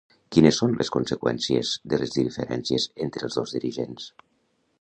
Quines són les conseqüències de les diferències entre els dos dirigents?